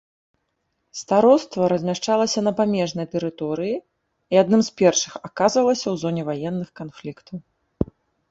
Староства размяшчалася на памежнай тэрыторыі і адным з першых аказвалася ў зоне ваенных канфліктаў.